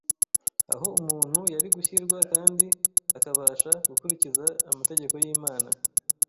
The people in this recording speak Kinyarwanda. aho umuntu yari gushyirwa kandi akabasha gukurikiza amategeko y’Imana,